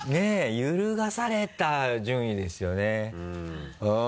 揺るがされた順位ですよねうん。